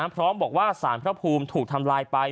พร้อมบอกว่าสารพระภูมิถูกทำลายไป